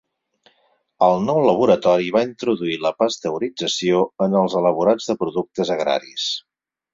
El nou laboratori va introduir la pasteurització en els elaborats de productes agraris.